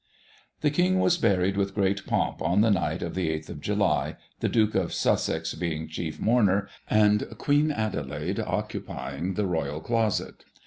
'" The King was buried with great pomp on the night of the 8th of July, the Duke of Sussex being chief mourner, and Queen Adelaide occupying the Royal Closet.